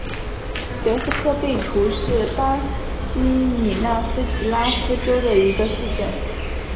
德斯科贝图是巴西米纳斯吉拉斯州的一个市镇。